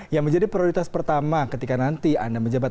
yang menjadi prioritas pertama ketika nanti anda menjabat